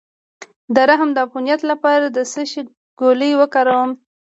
د رحم د عفونت لپاره د څه شي ګولۍ وکاروم؟